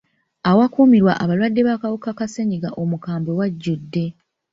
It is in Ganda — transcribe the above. Awakumirwa abalwadde b'akawuka ka ssenyigga omukambwe wajudde.